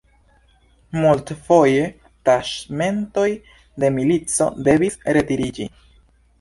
Multfoje taĉmentoj de milico devis retiriĝi.